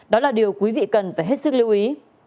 đó là điều quý vị cần phải hết sức lưu ý